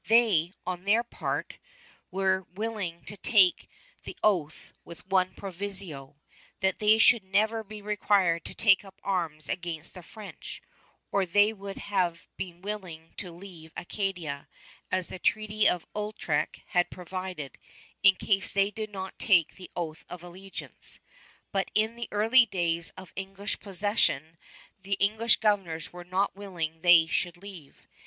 They, on their part, were willing to take the oath with one proviso, that they should never be required to take up arms against the French; or they would have been willing to leave Acadia, as the Treaty of Utrecht had provided, in case they did not take the oath of allegiance. But in the early days of English possession the English governors were not willing they should leave.